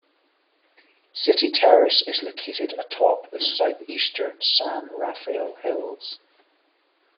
City Terrace is located atop the southeastern San Rafael Hills.